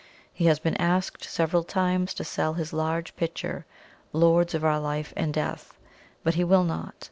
He has been asked several times to sell his large picture, "Lords of our Life and Death," but he will not.